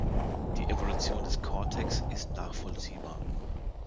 Die Evolution des Cortex ist nachvollziehbar.